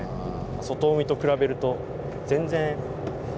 外海と比べると全然。